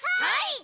はい！